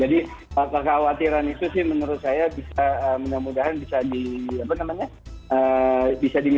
jadi kekhawatiran itu sih menurut saya bisa mudah mudahan bisa di apa namanya